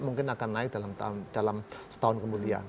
mungkin akan naik dalam setahun kemudian